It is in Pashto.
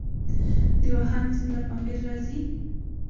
د واخان سیند له پامیر راځي